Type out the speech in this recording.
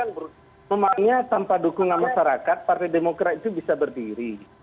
memangnya tanpa dukungan masyarakat partai demokrat itu bisa berdiri